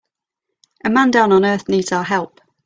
A man down on earth needs our help.